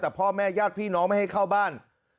แต่พ่อแม่ญาติพี่น้องไม่ให้เข้าบ้าน